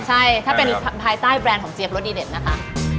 ใช่ถ้าเป็นภายใต้แบรนด์ของเจี๊ยรสดีเด็ดนะคะ